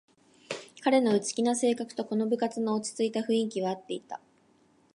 彼の内気な性格とこの部活の落ちついた雰囲気はあっていた